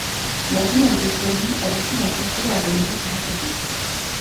La ville a été choisie à l'issue d'un concours organisé sur Internet.